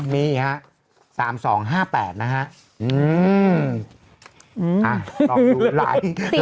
มีครับ๓๒๕๘นะฮะ